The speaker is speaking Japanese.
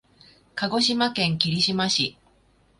鹿児島県霧島市